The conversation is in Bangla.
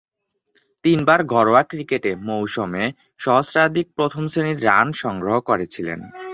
তিনবার ঘরোয়া ক্রিকেটে মৌসুমে সহস্রাধিক প্রথম-শ্রেণীর রান সংগ্রহ করেছিলেন।